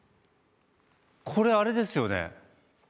これあれですよね？